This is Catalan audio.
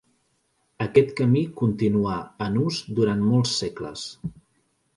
Aquest camí continuà en ús durant molts segles.